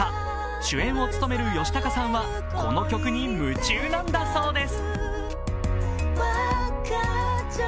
主演を務める吉高さんはこの曲に夢中なんだそうです。